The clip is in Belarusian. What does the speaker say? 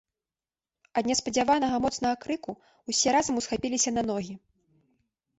Ад неспадзяванага моцнага крыку ўсе разам усхапіліся на ногі.